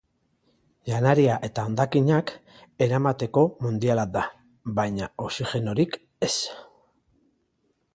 Janaria eta hondakinak eramateko mundiala da, baina oxigenorik ez.